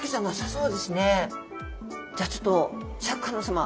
じゃちょっとシャーク香音さま